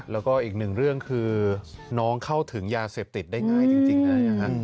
แล้วก็อีกหนึ่งเรื่องคือน้องเข้าถึงยาเสพติดได้ง่ายจริงเลย